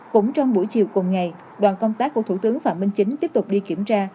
cũng trong buổi chiều cùng ngày đoàn công tác của thủ tướng phạm minh chính tiếp tục đi kiểm tra